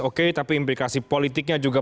oke tapi implikasi politiknya juga